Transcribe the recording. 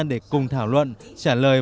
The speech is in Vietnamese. để cùng thảo luận trả lời